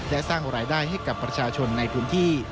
และสร้างรายได้ให้กับประชาชนในพื้นที่